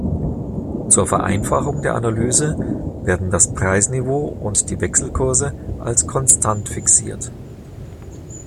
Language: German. Zur Vereinfachung der Analyse werden das Preisniveau und die Wechselkurse als konstant fixiert.